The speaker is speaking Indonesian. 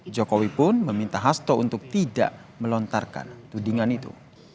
jokowi pun meminta hasto untuk tidak melontarkan tudingan itu